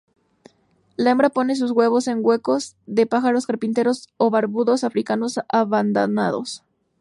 La hembra pone sus huevos en huecos de pájaros carpintero o barbudos africanos abandonados.